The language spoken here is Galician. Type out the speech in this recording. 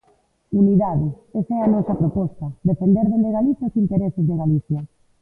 Unidade, esa é a nosa proposta, defender dende Galicia os intereses de Galicia.